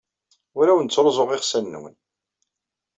Ur awen-ttruẓuɣ iɣsan-nwen.